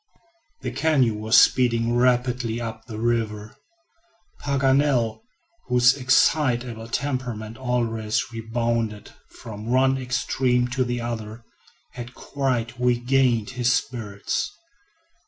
The canoe was speeding rapidly up the river. Paganel, whose excitable temperament always rebounded from one extreme to the other, had quite regained his spirits.